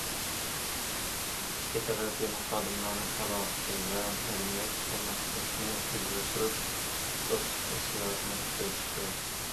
ئىككى تەرەپ يەنە خادىملارنىڭ ئالاقىسى ۋە مەدەنىيەت ئالماشتۇرۇشنى ئىلگىرى سۈرۈپ، دوستلۇق ھېسسىياتىنى كۈچەيتىشى كېرەك.